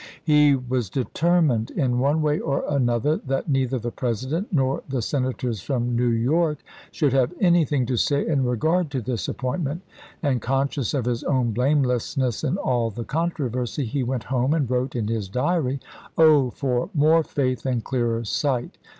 He was determined, in one ism^ms. way or another, that neither the President nor the Senators from New York should have anything to say in regard to this appointment ; and conscious of his own blamelessness in all the controversy, he went home and wrote in his diary :" Oh, for more J 1 Warden, faith and clearer sight